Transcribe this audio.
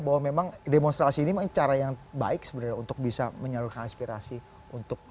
bahwa memang demonstrasi ini memang cara yang baik sebenarnya untuk bisa menyalurkan aspirasi untuk